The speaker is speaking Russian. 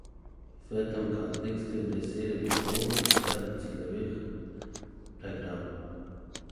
В этом контексте в России реализован ряд целевых программ.